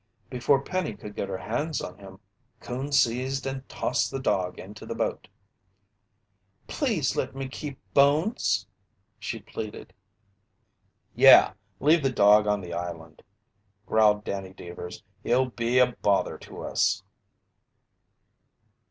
Before Penny could get her hands on him, Coon seized and tossed the dog into the boat. "Please let me keep Bones!" she pleaded. "Yeah, leave the dog on the island," growled Danny Deevers. "He'll be a bother to us."